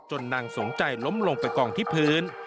นางสมใจล้มลงไปกองที่พื้น